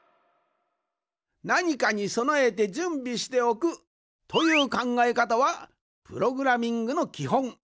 なにかにそなえてじゅんびしておくというかんがえかたはプログラミングのきほん。